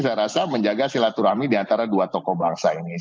saya rasa menjaga silaturahmi diantara dua tokoh bangsa ini